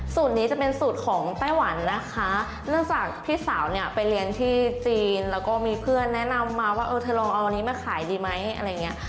สูตรนี้จะเป็นสูตรของไต้หวันนะคะเนื่องจากพี่สาวเนี่ยไปเรียนที่จีนแล้วก็มีเพื่อนแนะนำมาว่าเออเธอลองเอาอันนี้มาขายดีไหมอะไรอย่างเงี้ย